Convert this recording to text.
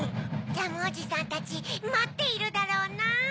ジャムおじさんたちまっているだろうな。